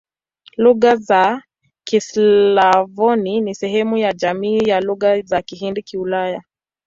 Lugha za Kislavoni ni sehemu ya jamii ya Lugha za Kihindi-Kiulaya.